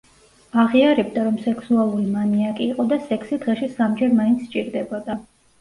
აღიარებდა, რომ სექსუალური მანიაკი იყო და სექსი დღეში სამჯერ მაინც სჭირდებოდა.